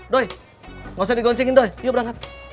doi gak usah digoncengin doi yuk berangkat